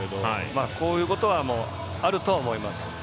こういうことはあるとは思います。